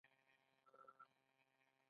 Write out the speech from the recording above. آیا د سولې او دوستۍ رڼا نه ده؟